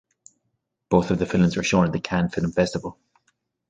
Both of the films were shown at the Cannes Film Festival.